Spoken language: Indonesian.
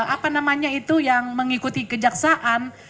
apa namanya itu yang mengikuti kejaksaan